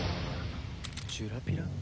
ジュラピラ？